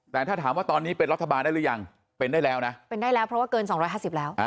แต่ถ้าถามว่าตอนนี้เป็นรัฐบาลได้หรือยังเป็นได้แล้วนะเป็นได้แล้วเพราะว่าเกิน๒๕๐แล้ว